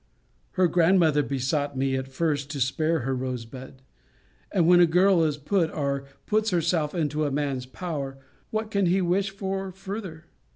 Her grandmother besought me, at first, to spare her Rosebud: and when a girl is put, or puts herself into a man's power, what can he wish for further?